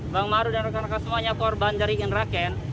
bang maru dan rakan rakan semuanya korban dari inraken